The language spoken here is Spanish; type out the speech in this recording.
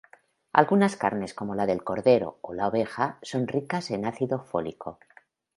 Algunas carnes como la del cordero o la oveja son ricas en ácido fólico.